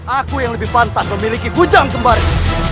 aku yang lebih pantas memiliki kujang kembari